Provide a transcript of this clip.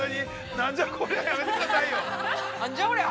◆なんじゃ、こりゃぁ！